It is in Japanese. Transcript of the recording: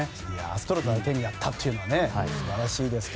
アストロズ相手にやったというのは素晴らしいですね。